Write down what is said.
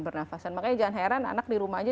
bernafasan makanya jangan heran anak di rumah aja